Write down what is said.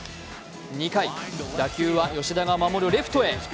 ２回、打球は吉田が守るレフトへ。